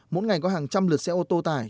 mỗi ngày có hàng trăm lượt xe ô tô tải